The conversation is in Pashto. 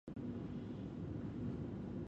هر دماغ له بل سره توپیر لري.